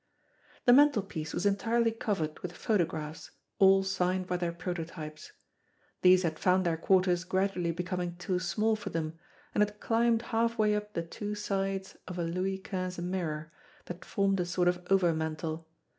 The mantelpiece was entirely covered with photographs, all signed by their prototypes. These had found their quarters gradually becoming too small for them, and had climbed half way up the two sides of a Louis Quinze mirror, that formed a sort of overmantel.